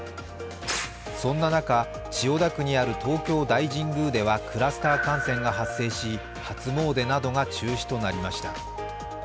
そんな中、千代田区にある東京大神宮ではクラスター感染が発生し、初詣などが中止となりました。